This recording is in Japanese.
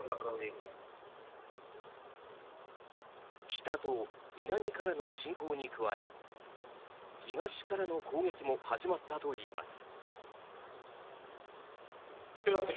北と南からの侵攻に加え東からの攻撃も始まったといいます。